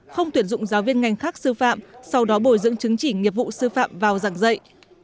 không tuyển dụng giáo viên ngành khác sư phạm sau đó bồi dưỡng chứng chỉ nghiệp vụ sư phạm vào giảng dạy